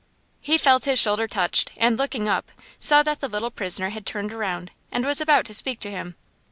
He felt his shoulder touched, and, looking up, saw that the little prisoner had turned around, and was about to speak to him.